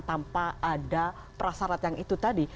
tanpa ada prasarat yang itu tadi